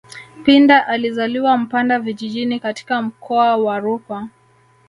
Pinda alizaliwa Mpanda vijijini katika mkoa wa Rukwa